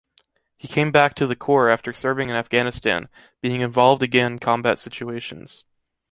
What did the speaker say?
He came back to the corps after serving in Afghanistan, being involved again combat situations.